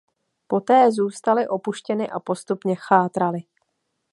Poté zůstaly opuštěny a postupně chátraly.